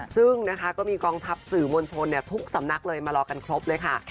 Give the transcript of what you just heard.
ซึ่งนะคะก็มีกองทัพสื่อมวลชนทุกสำนักเลยมารอกันครบเลยค่ะ